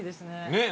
ねっ。